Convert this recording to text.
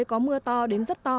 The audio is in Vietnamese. có mưa to đến rất to